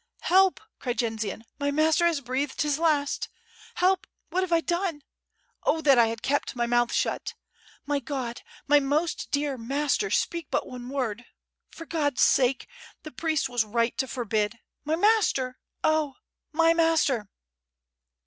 "Help!" cried Jendzian, "my master has breathed his last. Help! what have I done! Oh, that I had kept my mouth shut! My God! my most dear master, speak but one word ... .for God's sake! the priest was right to forbid. My master! Oh, .... my master!"